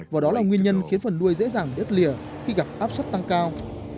và đó là nguyên nhân khiến phần nuôi dễ dàng đứt lìa khi gặp áp suất tăng cao